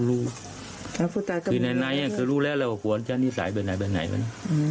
คือนายรู้แล้วว่าผัวจะนิสัยไปไหน